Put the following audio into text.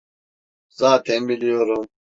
Zaten biliyorum.